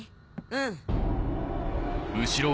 うん。